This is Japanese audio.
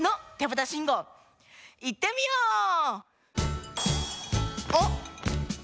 信号いってみよう！